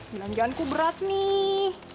menangjaanku berat nih